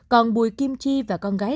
còn bùi kim chi và con gái